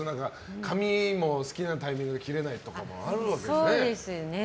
紙も好きなタイミングで切れないとかもあるわけですよね。